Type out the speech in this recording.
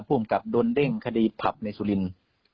ผู้อุ่มกลับโดนเด้งคดีผับในสุรินทร์